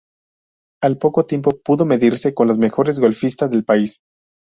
Al poco tiempo pudo medirse con los mejores golfistas del país.